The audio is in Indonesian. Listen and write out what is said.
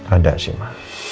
ada sih ma